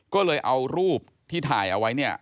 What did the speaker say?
ก็เลยเอารูปที่ถ่ายเอาไว้เนี่ย